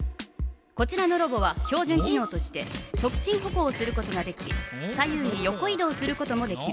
こちらのロボは標じゅん機のうとして直進歩行をすることができ左右に横い動することもできる。